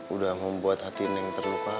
udah membuat hati neng terluka